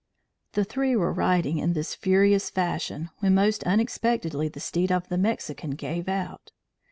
The three were riding in this furious fashion, when most unexpectedly the steed of the Mexican gave out.